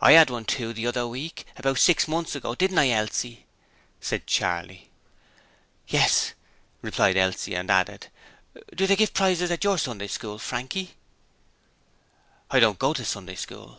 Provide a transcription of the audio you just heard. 'I 'ad one too, the other week, about six months ago, didn't I, Elsie?' said Charley. 'Yes,' replied Elsie and added: 'Do they give prizes at your Sunday School, Frankie?' 'I don't go to Sunday School.'